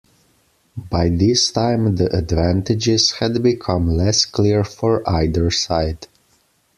By this time, the advantages had become less clear for either side.